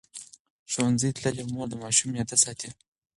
ښوونځې تللې مور د ماشوم معده ساتي.